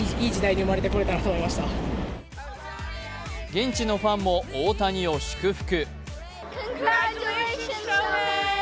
現地のファンも大谷を祝福。